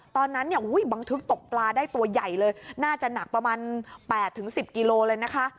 ตอนนั้นเนี่ยบันทึกตกปลาได้ตัวใหญ่เลยน่าจะหนักประมาณ๘๑๐กิโลเลยนะคะ